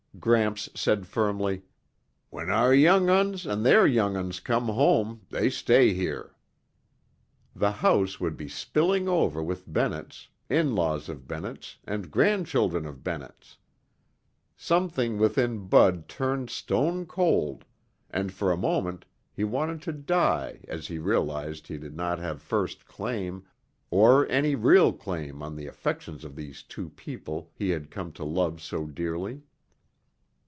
Gramps said firmly, "When our young'uns and their young'uns come home, they stay here." The house would be spilling over with Bennetts, in laws of Bennetts and grandchildren of Bennetts. Something within Bud turned stone cold and for a moment he wanted to die as he realized he did not have first claim or any real claim on the affections of these two people he had come to love so dearly.